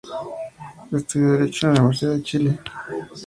Estudió Derecho en la Universidad de Chile.